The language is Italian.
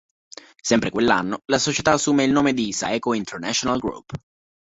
Sempre quell'anno la società assume il nome di "Saeco International Group".